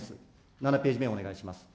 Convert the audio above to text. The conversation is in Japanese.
７ページ目をお願いします。